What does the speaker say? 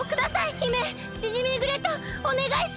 姫シジミーグレイトおねがいします！